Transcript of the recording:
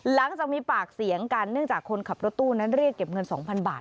หลังจากมีปากเสียงกันเนื่องจากคนขับรถตู้นั้นเรียกเก็บเงิน๒๐๐บาท